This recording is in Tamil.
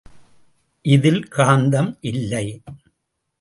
இதில் காந்தம் இல்லை.